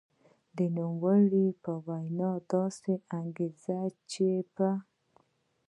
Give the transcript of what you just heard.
نوموړې په وینا داسې انګېري چې په